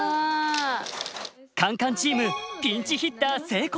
カンカンチームピンチヒッター成功です。